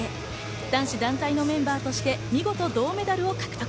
男子団体のメンバーとして見事、銅メダルを獲得。